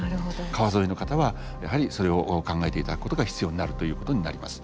川沿いの方はやはりそれを考えていただくことが必要になるということになります。